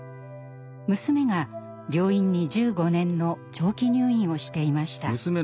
娘が病院に１５年の長期入院をしていました。